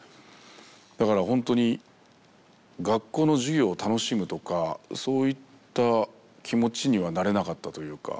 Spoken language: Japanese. だからほんとに学校の授業を楽しむとかそういった気持ちにはなれなかったというか。